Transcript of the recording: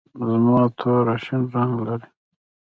زما توره شین رنګ لري.